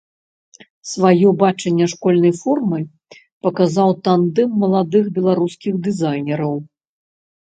Сваё бачанне школьнай формы паказаў тандэм маладых беларускіх дызайнераў.